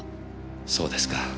そうですか。